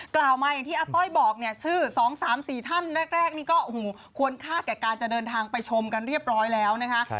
กล่าวมาอย่างที่อาต้อยบอกเนี่ยชื่อ๒๓๔ท่านแรกนี่ก็โอ้โหควรค่าแก่การจะเดินทางไปชมกันเรียบร้อยแล้วนะคะ